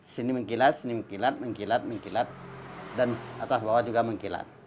seni mengkilat seni mengkilat mengkilat mengkilat dan atas bawah juga mengkilat